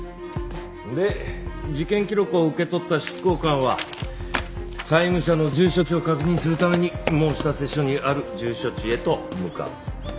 で事件記録を受け取った執行官は債務者の住所地を確認するために申立書にある住所地へと向かう。